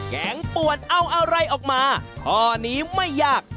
งป่วนเอาอะไรออกมาข้อนี้ไม่ยาก